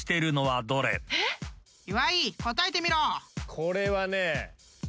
これはね。